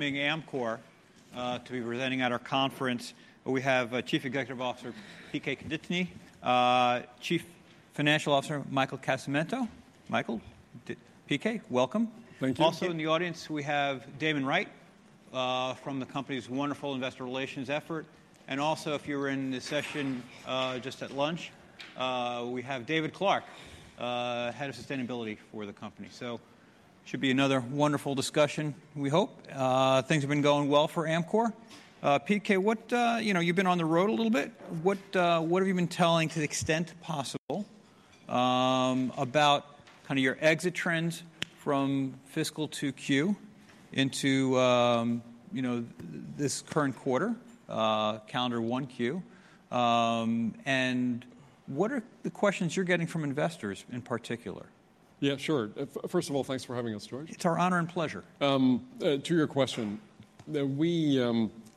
Amcor, to be presenting at our conference. We have Chief Executive Officer P.K. Konieczny, Chief Financial Officer Michael Casamento. Michael, P.K., Welcome. Thank you. Also in the audience, we have Damon Wright from the company's wonderful investor relations effort. And also, if you were in this session just at lunch, we have David Clark, Head of Sustainability for the company. So it should be another wonderful discussion, we hope. Things have been going well for Amcor. P.K., you've been on the road a little bit. What have you been telling, to the extent possible, about kind of your exit trends from fiscal 2Q into this current quarter, calendar 1Q? And what are the questions you're getting from investors in particular? Yeah, sure. First of all, thanks for having us, George. It's our honor and pleasure. To your question, we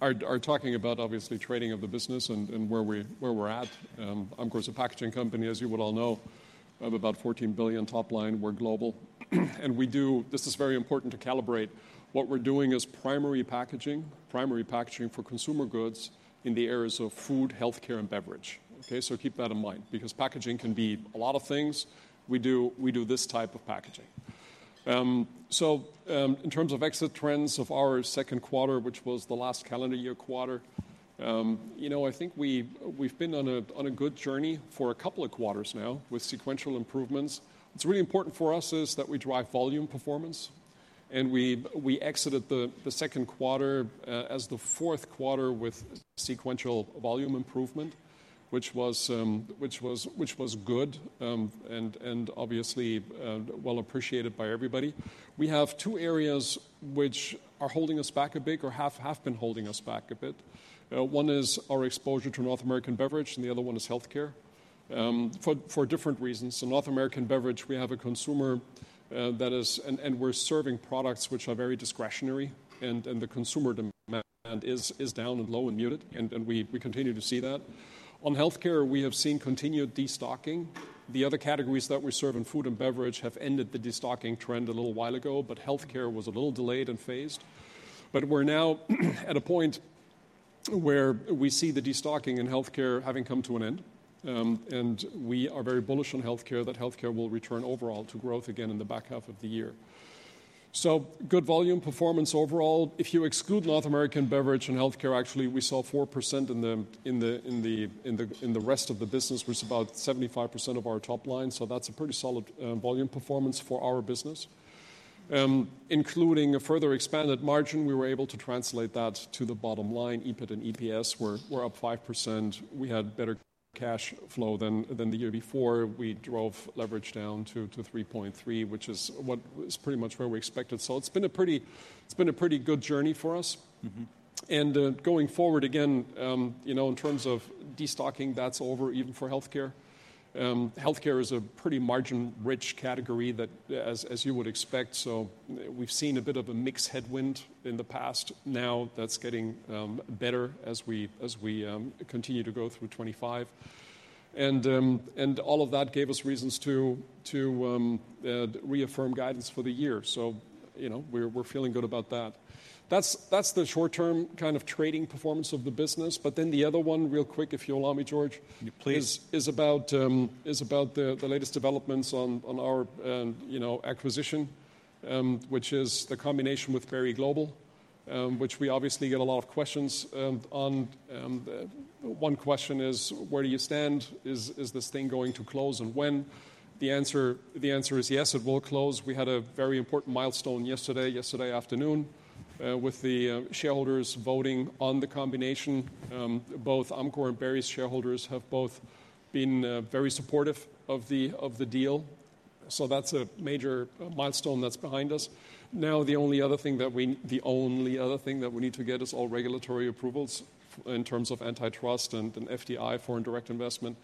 are talking about, obviously, trading of the business and where we're at. Amcor is a packaging company, as you would all know, of about $14 billion top line. We're global and we do, this is very important to calibrate, what we're doing is primary packaging, primary packaging for consumer goods in the areas of food, healthcare, and beverage. We do this type of packaging, so keep that in mind, because packaging can be a lot of things, so in terms of exit trends of our second quarter, which was the last calendar year quarter, I think we've been on a good journey for a couple of quarters now with sequential improvements. What's really important for us is that we drive volume performance, and we exited the second quarter as the fourth quarter with sequential volume improvement, which was good and obviously well appreciated by everybody. We have two areas which are holding us back a bit or have been holding us back a bit. One is our exposure to North American beverage, and the other one is healthcare for different reasons. In North American beverage, we have a consumer that is, and we're serving products which are very discretionary, and the consumer demand is down and low and muted, and we continue to see that. On healthcare, we have seen continued destocking. The other categories that we serve, in food and beverage, have ended the destocking trend a little while ago, but healthcare was a little delayed and phased, but we're now at a point where we see the destocking in healthcare having come to an end, and we are very bullish on healthcare, that healthcare will return overall to growth again in the back half of the year. So good volume performance overall. If you exclude North American beverage and healthcare, actually, we saw 4% in the rest of the business, which is about 75% of our top line. So that's a pretty solid volume performance for our business. Including a further expanded margin, we were able to translate that to the bottom line. EBIT and EPS were up 5%. We had better cash flow than the year before. We drove leverage down to 3.3, which is pretty much where we expected. So it's been a pretty good journey for us, and going forward, again, in terms of destocking, that's over even for healthcare. Healthcare is a pretty margin-rich category that, as you would expect. So we've seen a bit of a mixed headwind in the past. Now that's getting better as we continue to go through 2025. And all of that gave us reasons to reaffirm guidance for the year. So we're feeling good about that. That's the short-term kind of trading performance of the business. But then the other one, real quick, if you allow me, George. Please. It's about the latest developments on our acquisition, which is the combination with Berry Global, which we obviously get a lot of questions on. One question is, where do you stand? Is this thing going to close and when? The answer is yes, it will close. We had a very important milestone yesterday, yesterday afternoon, with the shareholders voting on the combination. Both Amcor and Berry's shareholders have both been very supportive of the deal. So that's a major milestone that's behind us. Now, the only other thing that we need to get is all regulatory approvals in terms of antitrust and FDI, foreign direct investment.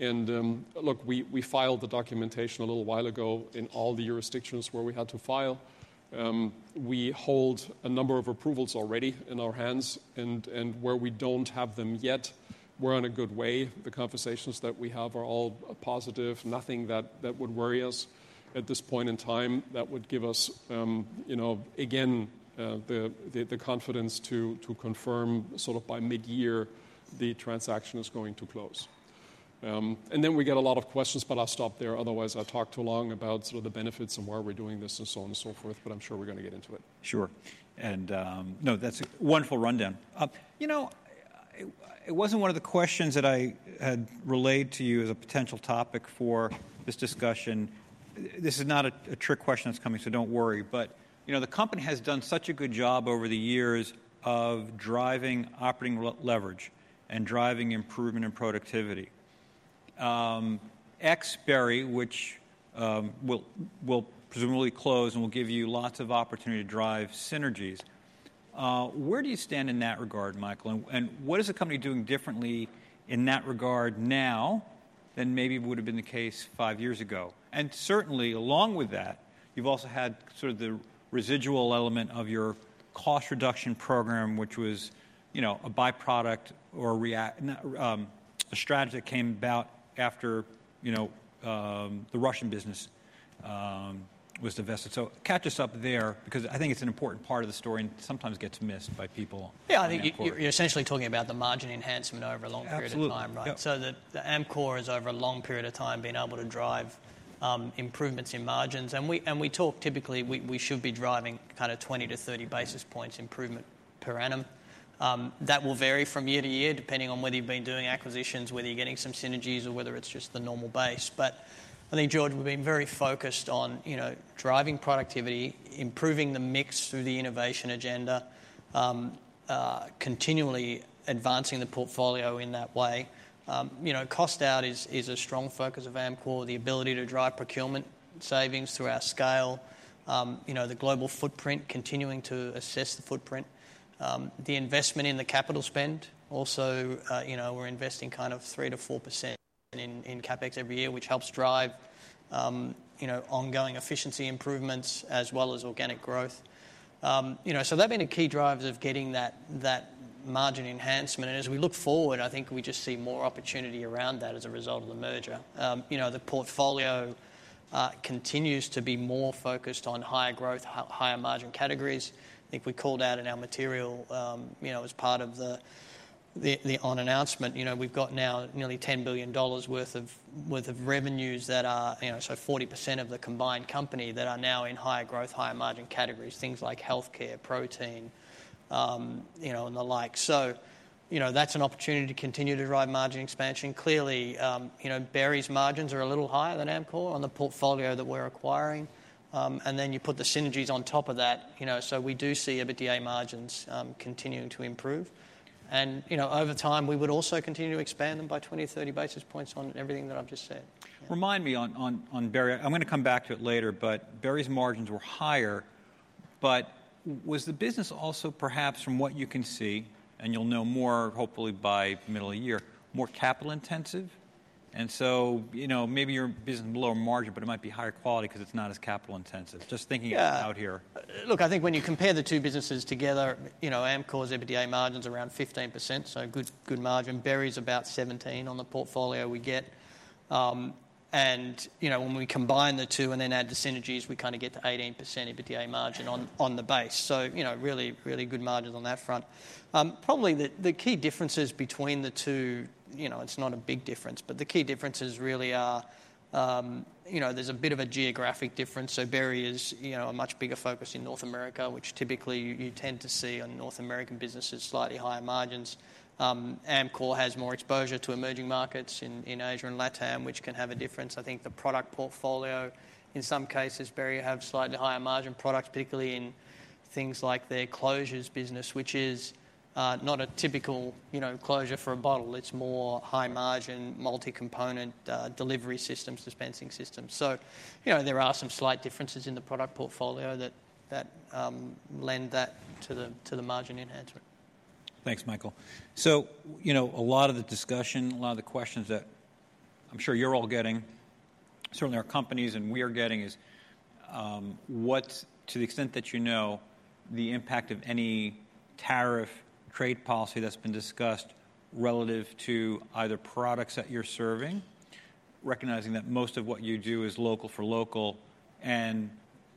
Look, we filed the documentation a little while ago in all the jurisdictions where we had to file. We hold a number of approvals already in our hands. And where we don't have them yet, we're on a good way. The conversations that we have are all positive. Nothing that would worry us at this point in time that would give us, again, the confidence to confirm sort of by mid-year the transaction is going to close. And then we get a lot of questions, but I'll stop there. Otherwise, I'll talk too long about sort of the benefits and why we're doing this and so on and so forth. But I'm sure we're going to get into it. Sure. And no, that's a wonderful rundown. You know, it wasn't one of the questions that I had relayed to you as a potential topic for this discussion. This is not a trick question that's coming, so don't worry. But the company has done such a good job over the years of driving operating leverage and driving improvement in productivity. Berry, which will presumably close and will give you lots of opportunity to drive synergies. Where do you stand in that regard, Michael? And what is the company doing differently in that regard now than maybe would have been the case five years ago? And certainly, along with that, you've also had sort of the residual element of your cost reduction program, which was a byproduct or a strategy that came about after the Russian business was divested. So, catch us up there, because I think it's an important part of the story and sometimes gets missed by people. Yeah, I think you're essentially talking about the margin enhancement over a long period of time. So that Amcor is, over a long period of time, been able to drive improvements in margins. And we talk typically we should be driving kind of 20 to 30 basis points improvement per annum. That will vary from year to year, depending on whether you've been doing acquisitions, whether you're getting some synergies, or whether it's just the normal base. But I think George, we'll be very focused on driving productivity, improving the mix through the innovation agenda, continually advancing the portfolio in that way. Cost-out is a strong focus of Amcor, the ability to drive procurement savings through our scale, the global footprint, continuing to assess the footprint. The investment in the capital spend, also we're investing kind of 3%-4% in CapEx every year, which helps drive ongoing efficiency improvements as well as organic growth. So they've been the key drivers of getting that margin enhancement. And as we look forward, I think we just see more opportunity around that as a result of the merger. The portfolio continues to be more focused on higher growth, higher margin categories. I think we called out in our material as part of the announcement, we've got now nearly $10 billion worth of revenues that are so 40% of the combined company that are now in higher growth, higher margin categories, things like healthcare, protein, and the like. So that's an opportunity to continue to drive margin expansion. Clearly, Berry's margins are a little higher than Amcor on the portfolio that we're acquiring. And then you put the synergies on top of that. So we do see EBITDA margins continuing to improve. And over time, we would also continue to expand them by 20-30 basis points on everything that I've just said. Remind me on Berry. I'm going to come back to it later, but Berry's margins were higher. But was the business also, perhaps from what you can see, and you'll know more, hopefully, by middle of the year, more capital intensive? And so maybe your business is below a margin, but it might be higher quality because it's not as capital intensive. Just thinking out here. Yeah. Look, I think when you compare the two businesses together, Amcor's EBITDA margin's around 15%, so good margin. Berry's about 17% on the portfolio we get. And when we combine the two and then add the synergies, we kind of get to 18% EBITDA margin on the base. So really, really good margins on that front. Probably the key differences between the two, it's not a big difference, but the key differences really are there's a bit of a geographic difference. So Berry has a much bigger focus in North America, which typically you tend to see on North American businesses, slightly higher margins. Amcor has more exposure to emerging markets in Asia and LATAM, which can have a difference. I think the product portfolio, in some cases, Berry has slightly higher margin products, particularly in things like their closures business, which is not a typical closure for a bottle. It's more high margin, multi-component delivery systems, dispensing systems. So there are some slight differences in the product portfolio that lend that to the margin enhancement. Thanks, Michael. So a lot of the discussion, a lot of the questions that I'm sure you're all getting, certainly our companies and we're getting, is what, to the extent that you know, the impact of any tariff trade policy that's been discussed relative to either products that you're serving, recognizing that most of what you do is local-for-local and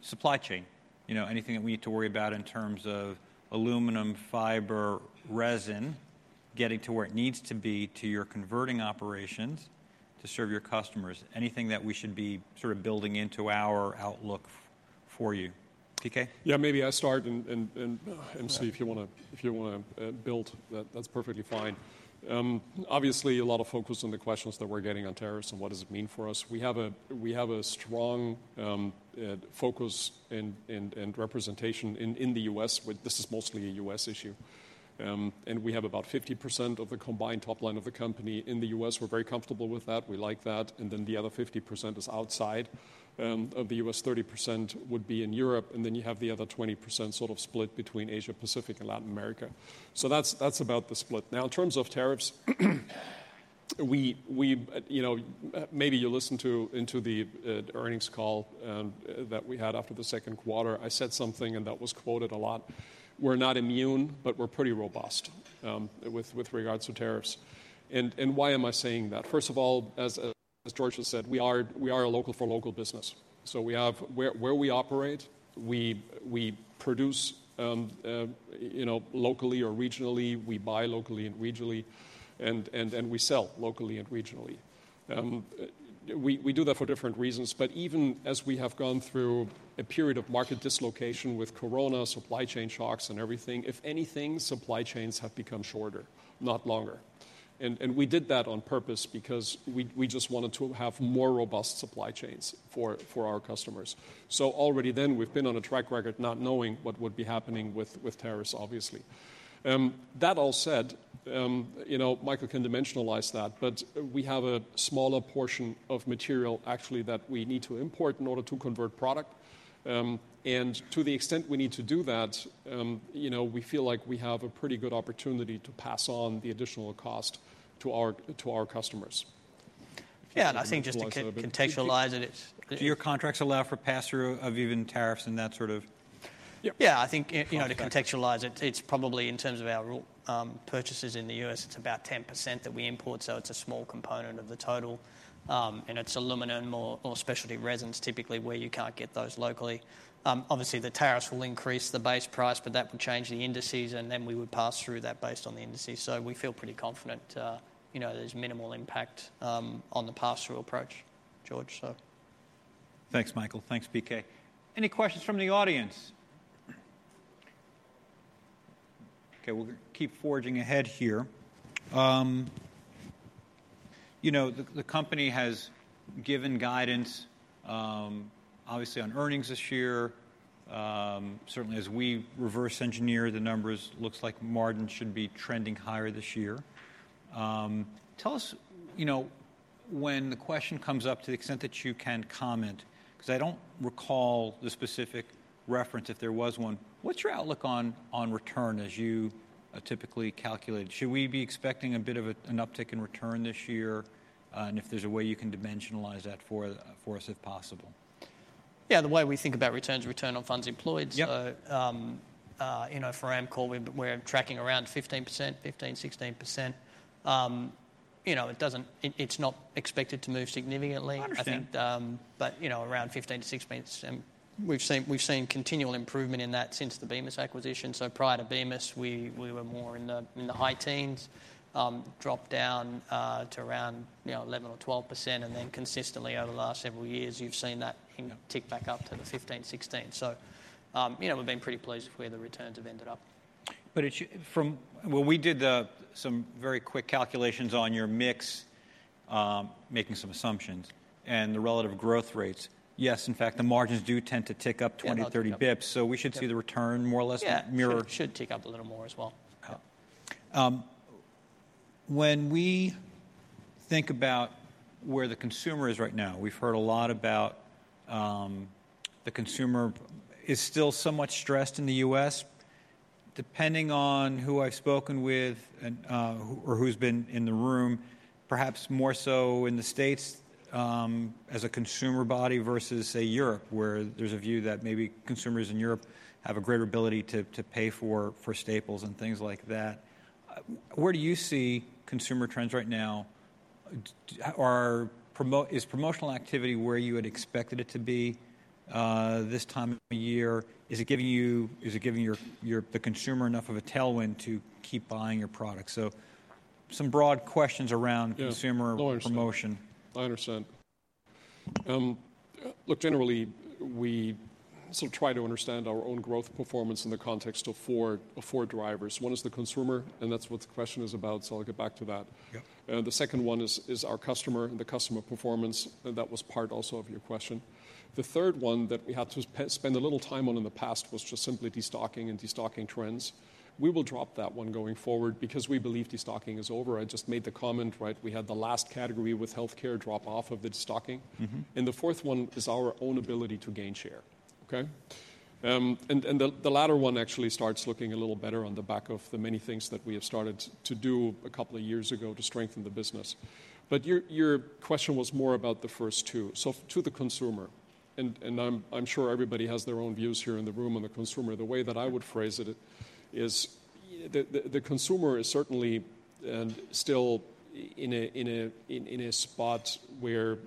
supply chain, anything that we need to worry about in terms of aluminum, fiber, resin getting to where it needs to be to your converting operations to serve your customers, anything that we should be sort of building into our outlook for you. P.K. Yeah, maybe I'll start and see if you want to build. That's perfectly fine. Obviously, a lot of focus on the questions that we're getting on tariffs and what does it mean for us. We have a strong focus and representation in the U.S. This is mostly a U.S. issue. And we have about 50% of the combined top line of the company in the U.S. We're very comfortable with that. We like that. And then the other 50% is outside of the U.S. 30% would be in Europe. And then you have the other 20% sort of split between Asia Pacific and Latin America. So that's about the split. Now, in terms of tariffs, maybe you listened to the earnings call that we had after the second quarter. I said something, and that was quoted a lot. We're not immune, but we're pretty robust with regards to tariffs. And why am I saying that? First of all, as George has said, we are a local-for-local business. So where we operate, we produce locally or regionally. We buy locally and regionally. And we sell locally and regionally. We do that for different reasons. But even as we have gone through a period of market dislocation with Corona, supply chain shocks, and everything, if anything, supply chains have become shorter, not longer. And we did that on purpose because we just wanted to have more robust supply chains for our customers. So already then, we've been on a track record not knowing what would be happening with tariffs, obviously. That all said, Michael can dimensionalize that. But we have a smaller portion of material, actually, that we need to import in order to convert product. To the extent we need to do that, we feel like we have a pretty good opportunity to pass on the additional cost to our customers. Yeah, and I think just to contextualize it, your contracts allow for pass-through of even tariffs and that sort of. Yeah. Yeah, I think to contextualize it, it's probably in terms of our purchases in the U.S., it's about 10% that we import. So it's a small component of the total. And it's aluminum or specialty resins, typically, where you can't get those locally. Obviously, the tariffs will increase the base price, but that will change the indices. And then we would pass through that based on the indices. So we feel pretty confident there's minimal impact on the pass-through approach, George, so. Thanks, Michael. Thanks, P.K. Any questions from the audience? OK, we'll keep forging ahead here. The company has given guidance, obviously, on earnings this year. Certainly, as we reverse engineer the numbers, it looks like margin should be trending higher this year. Tell us when the question comes up, to the extent that you can comment, because I don't recall the specific reference, if there was one. What's your outlook on return as you typically calculate it? Should we be expecting a bit of an uptick in return this year? And if there's a way you can dimensionalize that for us, if possible. Yeah, the way we think about returns is return on funds employed, so for Amcor, we're tracking around 15%, 15%, 16%. It's not expected to move significantly. Understand. Around 15%-16%. We've seen continual improvement in that since the Bemis acquisition. Prior to Bemis, we were more in the high teens, dropped down to around 11% or 12%. Consistently over the last several years, you've seen that tick back up to the 15%, 16%. We've been pretty pleased with where the returns have ended up. But from what we did, some very quick calculations on your mix, making some assumptions, and the relative growth rates, yes, in fact, the margins do tend to tick up 20, 30 basis points. So we should see the return more or less mirror. Yeah, it should tick up a little more as well. OK. When we think about where the consumer is right now, we've heard a lot about the consumer is still so much stressed in the U.S. Depending on who I've spoken with or who's been in the room, perhaps more so in the States as a consumer body versus, say, Europe, where there's a view that maybe consumers in Europe have a greater ability to pay for staples and things like that. Where do you see consumer trends right now? Is promotional activity where you had expected it to be this time of year? Is it giving you the consumer enough of a tailwind to keep buying your product? So some broad questions around consumer promotion. Yeah, I understand. I understand. Look, generally, we sort of try to understand our own growth performance in the context of four drivers. One is the consumer, and that's what the question is about. So I'll get back to that. The second one is our customer and the customer performance. That was part also of your question. The third one that we had to spend a little time on in the past was just simply destocking and destocking trends. We will drop that one going forward because we believe destocking is over. I just made the comment, right? We had the last category with healthcare drop off of the destocking. And the fourth one is our own ability to gain share. OK? And the latter one actually starts looking a little better on the back of the many things that we have started to do a couple of years ago to strengthen the business. But your question was more about the first two. So to the consumer, and I'm sure everybody has their own views here in the room on the consumer, the way that I would phrase it is the consumer is certainly still in a spot where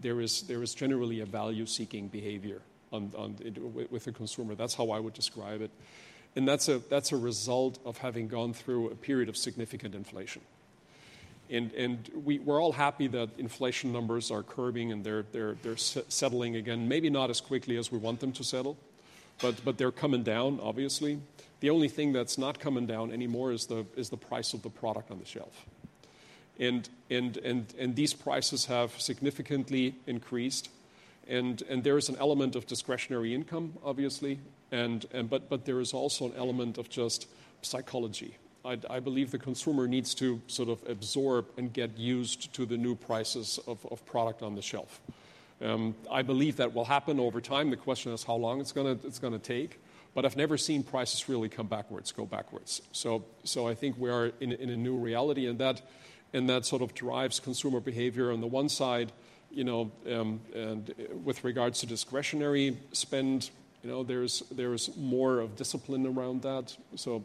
there is generally a value-seeking behavior with the consumer. That's how I would describe it. And that's a result of having gone through a period of significant inflation. And we're all happy that inflation numbers are curbing and they're settling again, maybe not as quickly as we want them to settle, but they're coming down, obviously. The only thing that's not coming down anymore is the price of the product on the shelf. These prices have significantly increased. There is an element of discretionary income, obviously. But there is also an element of just psychology. I believe the consumer needs to sort of absorb and get used to the new prices of product on the shelf. I believe that will happen over time. The question is how long it's going to take. But I've never seen prices really come backwards, go backwards. So I think we are in a new reality. And that sort of drives consumer behavior. On the one side, with regards to discretionary spend, there's more of discipline around that. So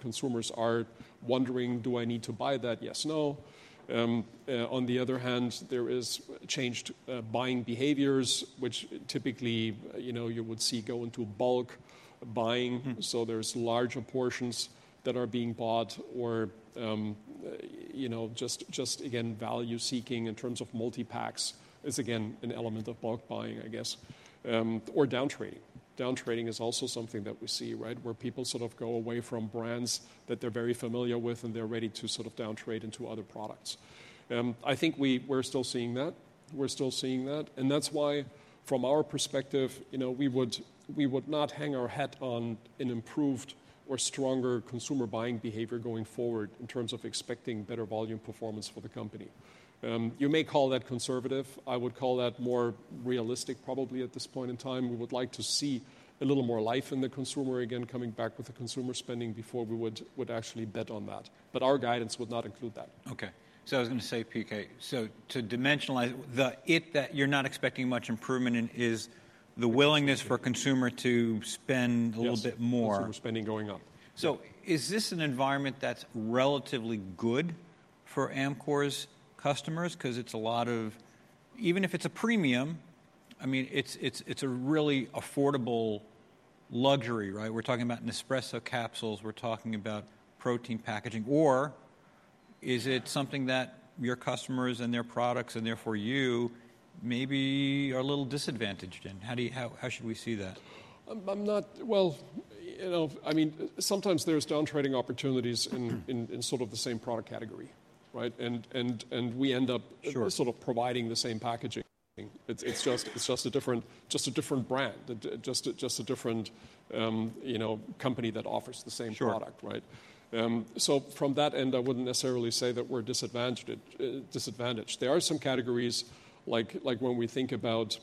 consumers are wondering, do I need to buy that? Yes, no. On the other hand, there is changed buying behaviors, which typically you would see go into bulk buying. There's larger portions that are being bought or just, again, value-seeking in terms of multi-packs is, again, an element of bulk buying, I guess, or downtrading. Downtrading is also something that we see, right, where people sort of go away from brands that they're very familiar with, and they're ready to sort of down trade into other products. I think we're still seeing that. We're still seeing that. And that's why, from our perspective, we would not hang our hat on an improved or stronger consumer buying behavior going forward in terms of expecting better volume performance for the company. You may call that conservative. I would call that more realistic, probably, at this point in time. We would like to see a little more life in the consumer, again, coming back with the consumer spending before we would actually bet on that. But our guidance would not include that. I was going to say, P.K., so to dimensionalize it that you're not expecting much improvement in is the willingness for consumer to spend a little bit more. Consumer spending going up. So is this an environment that's relatively good for Amcor's customers? Because it's a lot of even if it's a premium, I mean, it's a really affordable luxury, right? We're talking about Nespresso capsules. We're talking about protein packaging. Or is it something that your customers and their products, and therefore you, maybe are a little disadvantaged in? How should we see that? I mean, sometimes there's downtrading opportunities in sort of the same product category, right? And we end up sort of providing the same packaging. It's just a different brand, just a different company that offers the same product, right? So from that end, I wouldn't necessarily say that we're disadvantaged. There are some categories, like when we think about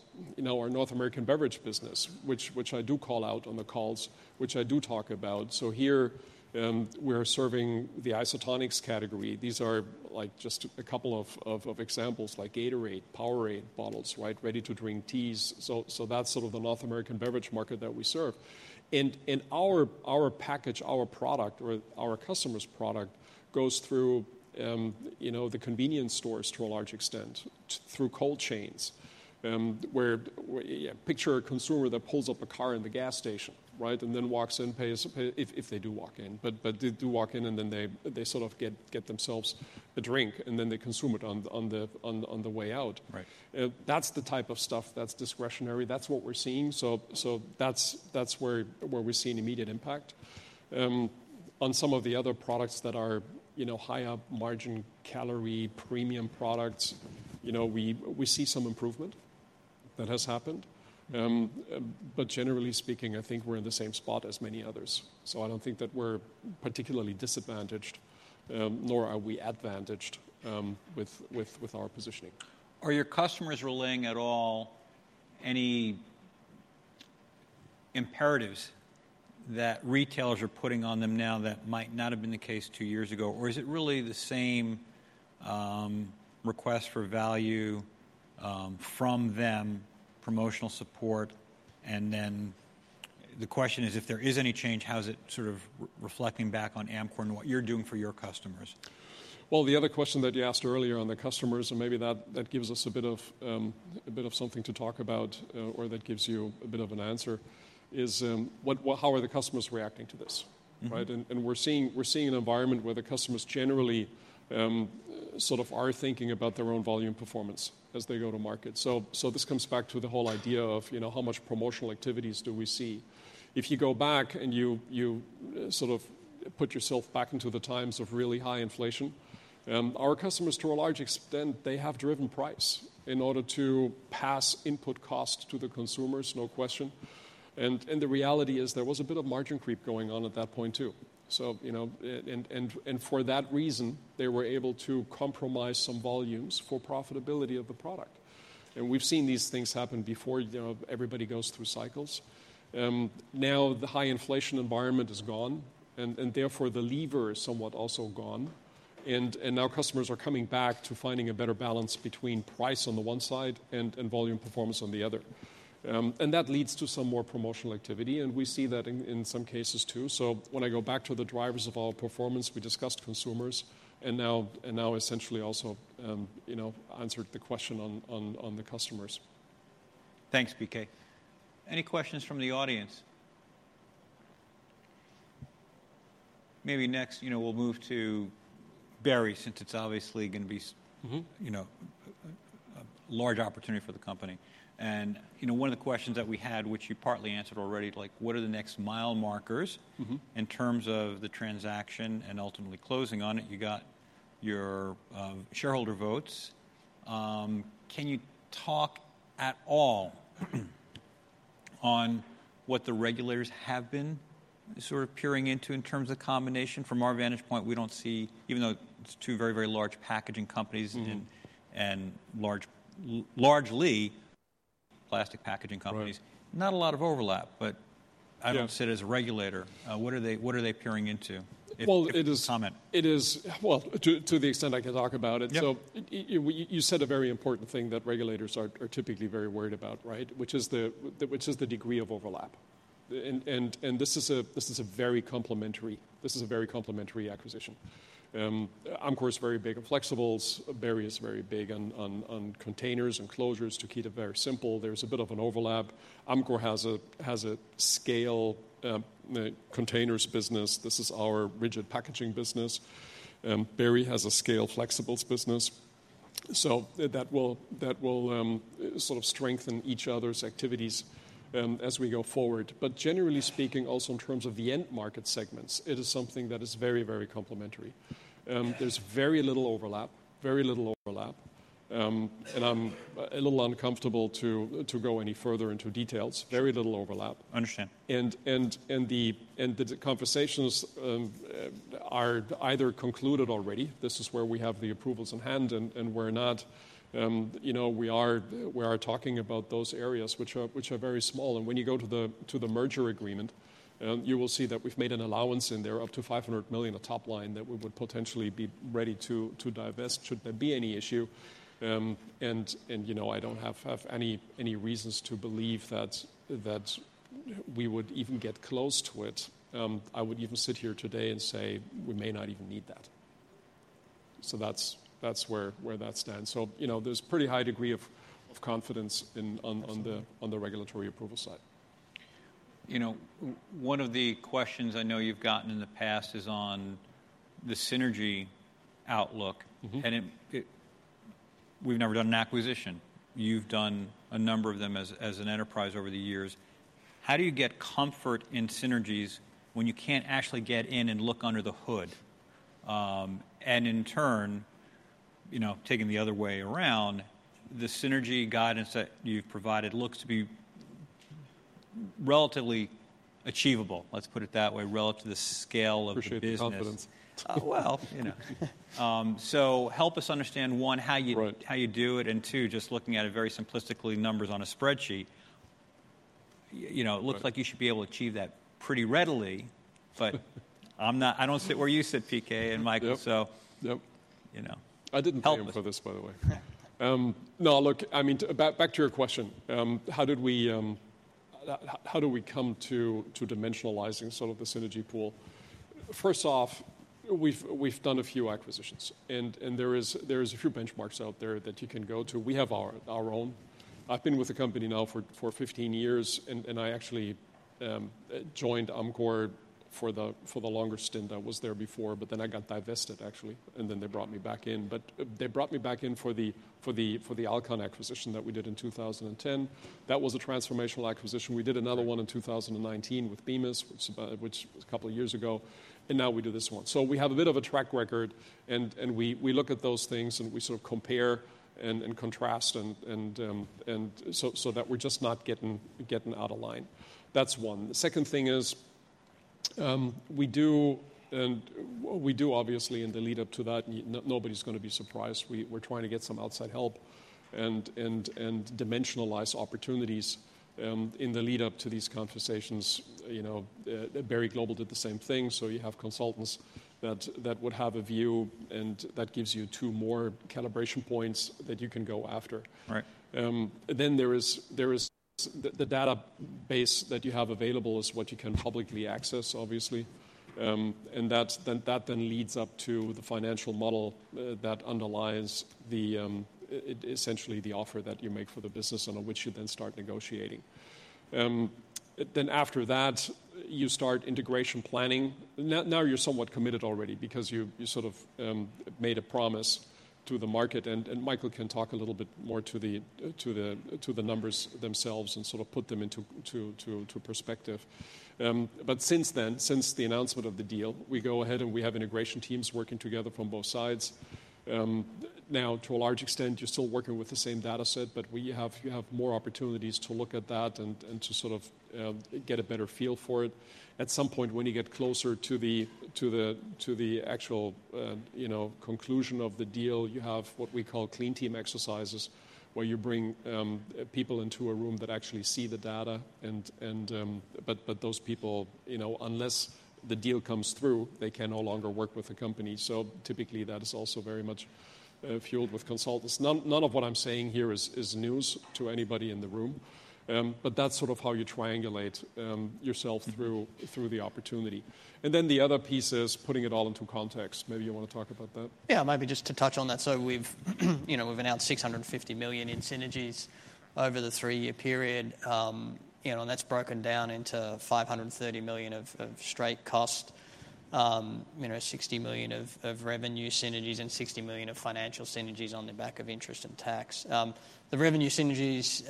our North American Beverage business, which I do call out on the calls, which I do talk about. So here, we're serving the isotonics category. These are just a couple of examples, like Gatorade, Powerade bottles, right, ready-to-drink teas. So that's sort of the North American Beverage market that we serve. Our package, our product, or our customer's product goes through the convenience stores to a large extent, through cold chains, where, picture a consumer that pulls up a car in the gas station, right, and then walks in, if they do walk in. But they do walk in, and then they sort of get themselves a drink. And then they consume it on the way out. That's the type of stuff that's discretionary. That's what we're seeing. So that's where we're seeing immediate impact. On some of the other products that are high up margin, calorie, premium products, we see some improvement that has happened. But generally speaking, I think we're in the same spot as many others. So I don't think that we're particularly disadvantaged, nor are we advantaged with our positioning. Are your customers relaying at all any imperatives that retailers are putting on them now that might not have been the case two years ago? Or is it really the same request for value from them, promotional support? And then the question is, if there is any change, how is it sort of reflecting back on Amcor and what you're doing for your customers? The other question that you asked earlier on the customers, and maybe that gives us a bit of something to talk about or that gives you a bit of an answer, is how are the customers reacting to this, right? And we're seeing an environment where the customers generally sort of are thinking about their own volume performance as they go to market. So this comes back to the whole idea of how much promotional activities do we see. If you go back and you sort of put yourself back into the times of really high inflation, our customers, to a large extent, they have driven price in order to pass input cost to the consumers, no question. And the reality is there was a bit of margin creep going on at that point, too. And for that reason, they were able to compromise some volumes for profitability of the product. And we've seen these things happen before everybody goes through cycles. Now the high inflation environment is gone. And therefore, the lever is somewhat also gone. And now customers are coming back to finding a better balance between price on the one side and volume performance on the other. And that leads to some more promotional activity. And we see that in some cases, too. So when I go back to the drivers of our performance, we discussed consumers. And now, essentially, also answered the question on the customers. Thanks, P.K. Any questions from the audience? Maybe next, we'll move to Berry, since it's obviously going to be a large opportunity for the company. And one of the questions that we had, which you partly answered already, like, what are the next mile markers in terms of the transaction and ultimately closing on it? You got your shareholder votes. Can you talk at all on what the regulators have been sort of peering into in terms of combination? From our vantage point, we don't see, even though it's two very, very large packaging companies and largely plastic packaging companies, not a lot of overlap. But I don't see it as a regulator. What are they peering into? If you can comment. It is, well, to the extent I can talk about it. You said a very important thing that regulators are typically very worried about, right, which is the degree of overlap. This is a very complementary acquisition. Amcor is very big on flexibles. Berry is very big on containers and closures to keep it very simple. There is a bit of an overlap. Amcor has a scale containers business. This is our rigid packaging business. Berry has a scale flexibles business. That will sort of strengthen each other's activities as we go forward. But generally speaking, also in terms of the end market segments, it is something that is very, very complementary. There is very little overlap, very little overlap. I am a little uncomfortable to go any further into details. Very little overlap. Understand. The conversations are either concluded already. This is where we have the approvals in hand. We're talking about those areas, which are very small. When you go to the merger agreement, you will see that we've made an allowance in there up to $500 million of top line that we would potentially be ready to divest should there be any issue. I don't have any reasons to believe that we would even get close to it. I would even sit here today and say, we may not even need that. That's where that stands. There's a pretty high degree of confidence on the regulatory approval side. One of the questions I know you've gotten in the past is on the synergy outlook. And we've never done an acquisition. You've done a number of them as an enterprise over the years. How do you get comfort in synergies when you can't actually get in and look under the hood? And in turn, taking the other way around, the synergy guidance that you've provided looks to be relatively achievable, let's put it that way, relative to the scale of business. Appreciate the confidence. You know, so help us understand, one, how you do it, and two, just looking at it very simplistically, numbers on a spreadsheet. It looks like you should be able to achieve that pretty readily. But I don't sit where you sit, P.K. and Michael, so. Yep. I didn't prepare for this, by the way. No, look, I mean, back to your question. How do we come to dimensionalizing sort of the synergy pool? First off, we've done a few acquisitions. And there are a few benchmarks out there that you can go to. We have our own. I've been with the company now for 15 years. And I actually joined Amcor for the longer stint I was there before. But then I got divested, actually. And then they brought me back in. But they brought me back in for the Alcan acquisition that we did in 2010. That was a transformational acquisition. We did another one in 2019 with Bemis, which was a couple of years ago. And now we do this one. So we have a bit of a track record. And we look at those things. And we sort of compare and contrast so that we're just not getting out of line. That's one. The second thing is we do, and we do, obviously, in the lead-up to that, nobody's going to be surprised. We're trying to get some outside help and dimensionalize opportunities in the lead-up to these conversations. Berry Global did the same thing. So you have consultants that would have a view, and that gives you two more calibration points that you can go after. Then there is the database that you have available is what you can publicly access, obviously. And that then leads up to the financial model that underlies essentially the offer that you make for the business, on which you then start negotiating. Then after that, you start integration planning. Now you're somewhat committed already, because you sort of made a promise to the market. Michael can talk a little bit more to the numbers themselves and sort of put them into perspective. But since then, since the announcement of the deal, we go ahead, and we have integration teams working together from both sides. Now, to a large extent, you're still working with the same data set. But we have more opportunities to look at that and to sort of get a better feel for it. At some point, when you get closer to the actual conclusion of the deal, you have what we call clean team exercises, where you bring people into a room that actually see the data. But those people, unless the deal comes through, they can no longer work with the company. So typically, that is also very much fueled with consultants. None of what I'm saying here is news to anybody in the room. But that's sort of how you triangulate yourself through the opportunity. And then the other piece is putting it all into context. Maybe you want to talk about that? Yeah, maybe just to touch on that. So we've announced $650 million in synergies over the three-year period. And that's broken down into $530 million of straight cost, $60 million of revenue synergies, and $60 million of financial synergies on the back of interest and tax. The revenue synergies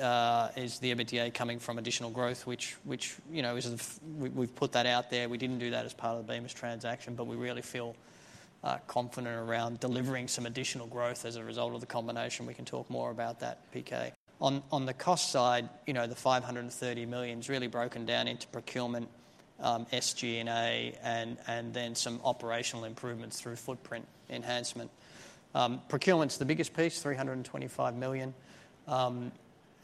is the EBITDA coming from additional growth, which we've put that out there. We didn't do that as part of the Bemis transaction. But we really feel confident around delivering some additional growth as a result of the combination. We can talk more about that, P.K. On the cost side, the $530 million is really broken down into procurement, SG&A, and then some operational improvements through footprint enhancement. Procurement's the biggest piece, $325 million.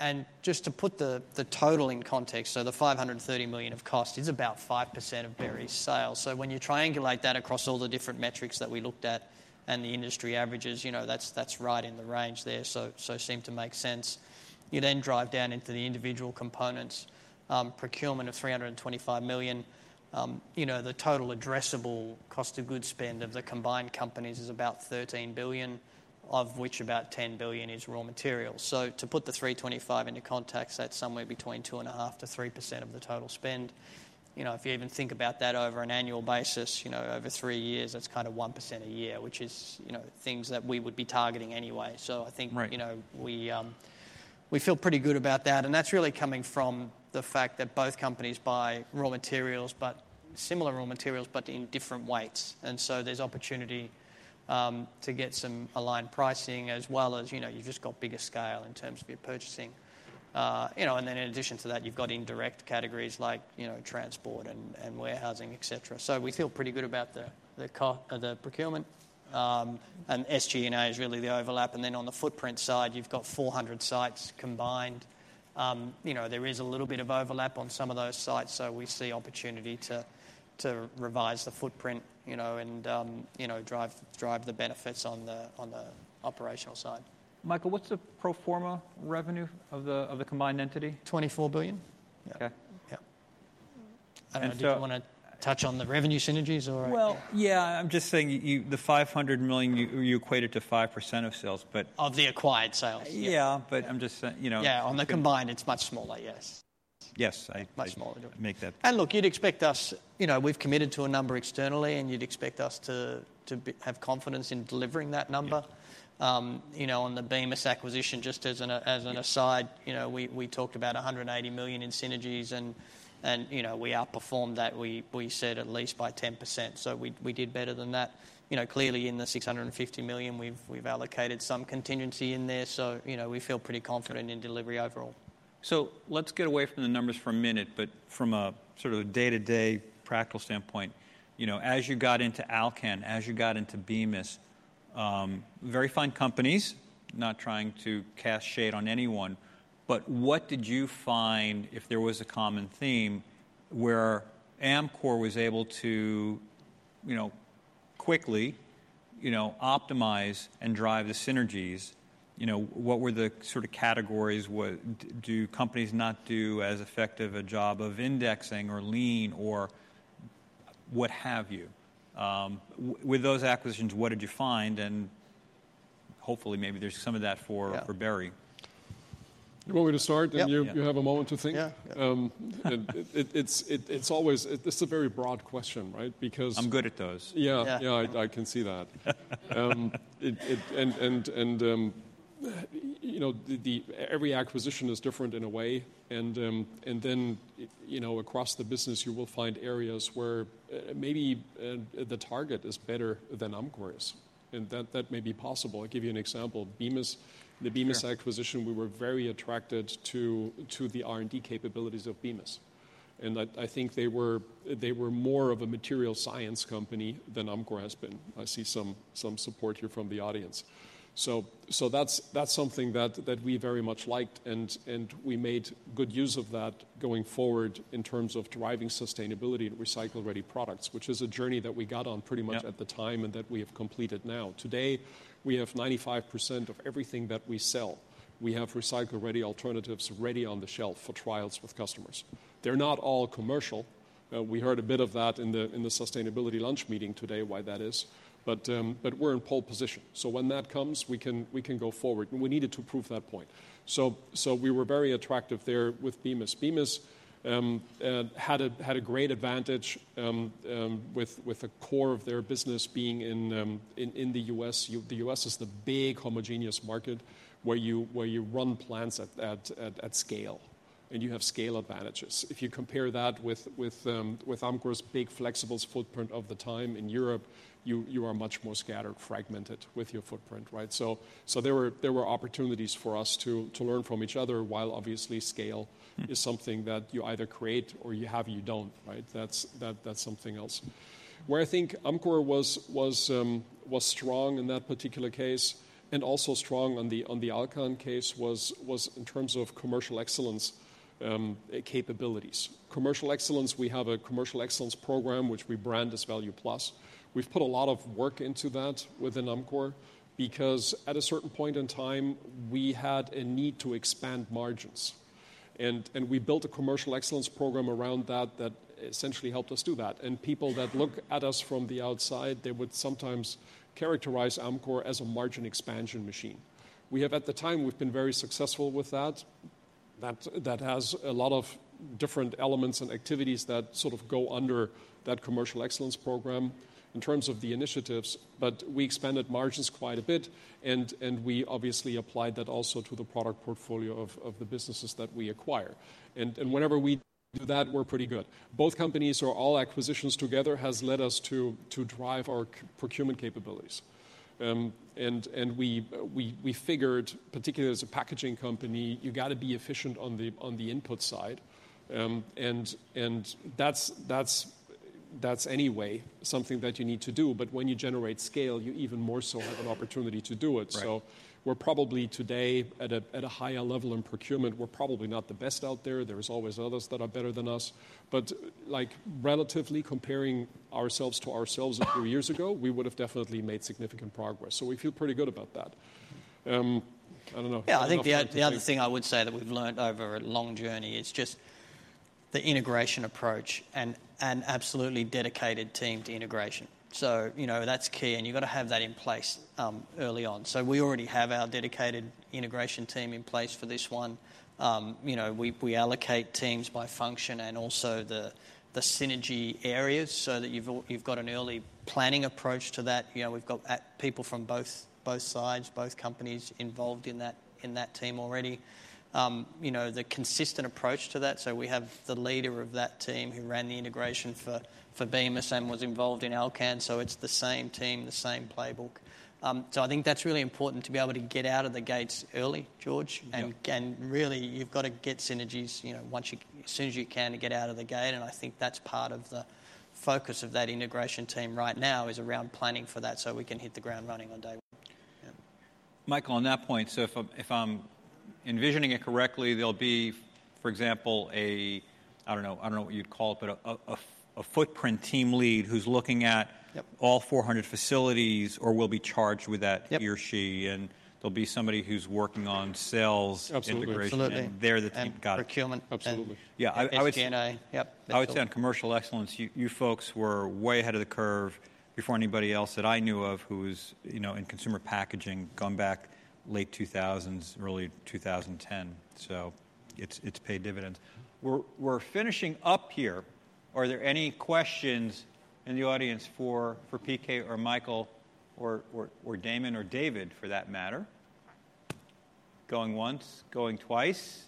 And just to put the total in context, so the $530 million of cost is about 5% of Berry's sales. So when you triangulate that across all the different metrics that we looked at and the industry averages, that's right in the range there, so it seemed to make sense. You then drive down into the individual components. Procurement of $325 million. The total addressable cost of goods spend of the combined companies is about $13 billion, of which about $10 billion is raw materials. So to put the $325 into context, that's somewhere between 2.5%-3% of the total spend. If you even think about that over an annual basis, over three years, that's kind of 1% a year, which is things that we would be targeting anyway. So I think we feel pretty good about that. And that's really coming from the fact that both companies buy raw materials, but similar raw materials, but in different weights. And so there's opportunity to get some aligned pricing, as well as you've just got bigger scale in terms of your purchasing. And then in addition to that, you've got indirect categories like transport and warehousing, et cetera. So we feel pretty good about the procurement. And SG&A is really the overlap. And then on the footprint side, you've got 400 sites combined. There is a little bit of overlap on some of those sites. So we see opportunity to revise the footprint and drive the benefits on the operational side. Michael, what's the pro forma revenue of the combined entity? $24 billion. OK. Yeah. I don't know. Did you want to touch on the revenue synergies, or? Yeah. I'm just saying the $500 million, you equate it to 5% of sales, but. Of the acquired sales. Yeah, but I'm just saying. Yeah. On the combined, it's much smaller, yes. Yes. Much smaller. And look, you'd expect us we've committed to a number externally. And you'd expect us to have confidence in delivering that number. On the Bemis acquisition, just as an aside, we talked about $180 million in synergies. And we outperformed that. We said at least by 10%. So we did better than that. Clearly, in the $650 million, we've allocated some contingency in there. So we feel pretty confident in delivery overall. So let's get away from the numbers for a minute. But from a sort of day-to-day practical standpoint, as you got into Alcan, as you got into Bemis, very fine companies, not trying to cast shade on anyone. But what did you find, if there was a common theme, where Amcor was able to quickly optimize and drive the synergies? What were the sort of categories? Do companies not do as effective a job of indexing or Lean or what have you? With those acquisitions, what did you find? And hopefully, maybe there's some of that for Berry. You want me to start? Yeah. You have a moment to think? Yeah. It's a very broad question, right? Because. I'm good at those. Yeah. Yeah, I can see that. And every acquisition is different in a way. And then across the business, you will find areas where maybe the target is better than Amcor is. And that may be possible. I'll give you an example. The Bemis acquisition, we were very attracted to the R&D capabilities of Bemis. And I think they were more of a material science company than Amcor has been. I see some support here from the audience. So that's something that we very much liked. And we made good use of that going forward in terms of driving sustainability and recycle-ready products, which is a journey that we got on pretty much at the time and that we have completed now. Today, we have 95% of everything that we sell. We have recycle-ready alternatives ready on the shelf for trials with customers. They're not all commercial. We heard a bit of that in the sustainability lunch meeting today, why that is. But we're in pole position. So when that comes, we can go forward. And we needed to prove that point. So we were very attractive there with Bemis. Bemis had a great advantage with the core of their business being in the U.S. The U.S. is the big homogeneous market where you run plants at scale. And you have scale advantages. If you compare that with Amcor's big flexibles footprint of the time in Europe, you are much more scattered, fragmented with your footprint, right? So there were opportunities for us to learn from each other, while obviously scale is something that you either create or you have, you don't, right? That's something else. Where I think Amcor was strong in that particular case, and also strong on the Alcan case, was in terms of commercial excellence capabilities. Commercial excellence, we have a commercial excellence program, which we brand as ValuePlus. We've put a lot of work into that within Amcor, because at a certain point in time, we had a need to expand margins. And we built a commercial excellence program around that that essentially helped us do that. And people that look at us from the outside, they would sometimes characterize Amcor as a margin expansion machine. At the time, we've been very successful with that. That has a lot of different elements and activities that sort of go under that commercial excellence program in terms of the initiatives. But we expanded margins quite a bit. And we obviously applied that also to the product portfolio of the businesses that we acquire. And whenever we do that, we're pretty good. Both companies or all acquisitions together has led us to drive our procurement capabilities. And we figured, particularly as a packaging company, you've got to be efficient on the input side. And that's anyway something that you need to do. But when you generate scale, you even more so have an opportunity to do it. So we're probably today at a higher level in procurement. We're probably not the best out there. There's always others that are better than us. But relatively comparing ourselves to ourselves a few years ago, we would have definitely made significant progress. So we feel pretty good about that. I don't know. Yeah. I think the other thing I would say that we've learned over a long journey is just the integration approach and an absolutely dedicated team to integration. So that's key. And you've got to have that in place early on. So we already have our dedicated integration team in place for this one. We allocate teams by function and also the synergy areas so that you've got an early planning approach to that. We've got people from both sides, both companies involved in that team already. The consistent approach to that. So we have the leader of that team who ran the integration for Bemis and was involved in Alcan. So it's the same team, the same playbook. So I think that's really important to be able to get out of the gates early, George. And really, you've got to get synergies as soon as you can to get out of the gate. And I think that's part of the focus of that integration team right now is around planning for that so we can hit the ground running on day one. Yeah. Michael, on that point, so if I'm envisioning it correctly, there'll be, for example, a, I don't know what you'd call it, but a footprint team lead who's looking at all 400 facilities or will be charged with that he or she. And there'll be somebody who's working on sales integration. Absolutely. And they're the team got it. Procurement. Absolutely. SG&A. Yep. I would say on commercial excellence, you folks were way ahead of the curve before anybody else that I knew of who was in consumer packaging going back late 2000s, early 2010. So it's paid dividends. We're finishing up here. Are there any questions in the audience for P.K. or Michael or Damon or David, for that matter? Going once, going twice?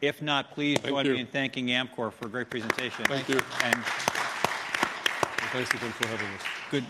If not, please join me in thanking Amcor for a great presentation. Thank you. And thanks again for having us. Good.